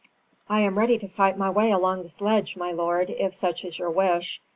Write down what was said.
"I am ready to fight my way along this ledge, my lord, if such is your wish.